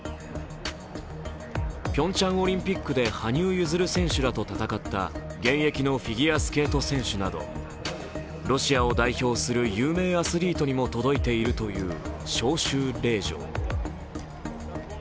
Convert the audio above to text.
ピョンチャンオリンピックで羽生結弦選手らと戦った現役のフィギュアスケート選手などロシアを代表する有名アスリートにも届いているという招集令状。